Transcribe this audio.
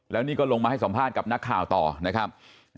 แล้วนี่ก็ลงมาให้สัมภาษณ์กับนักข่าวต่อนะครับ